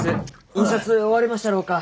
印刷終わりましたろうか？